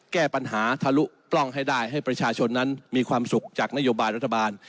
แก้ปัญหาทะลุปล้องให้ได้ให้ประชาชนนั้นมีความสุขจากนโยบายรัฐบาล